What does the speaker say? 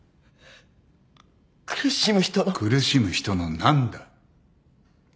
苦しむ人の何だ？